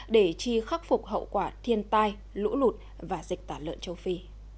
để chi khắc phục hậu quả thiên tai lũ lụt và dịch tả lợn châu phi